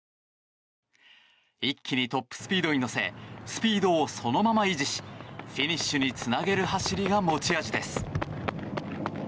一気にトップスピードに乗せスピードをそのまま維持しフィニッシュにつなげる走りが持ち味です。